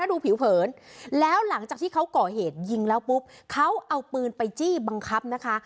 ดูผิวเผินแล้วหลังจากที่เขาก่อเหตุยิงแล้วปุ๊บเขาเอาปืนไปจี้บังคับนะคะ